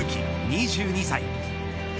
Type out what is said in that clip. ２２歳。